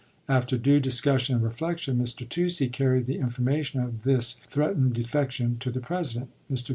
After due discussion and reflection, Mr. Toucey carried the information of this threat ened defection to the President. Mr.